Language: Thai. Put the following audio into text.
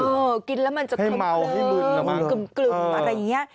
อ่ากินแล้วมันจะให้เมาให้เบลิ้งอะไรอย่างเงี้ย